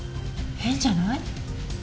変じゃない？